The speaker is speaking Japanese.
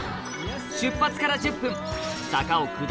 出発から１０分